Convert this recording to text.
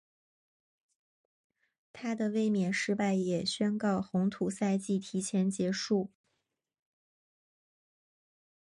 她的卫冕失败也宣告红土赛季提前结束。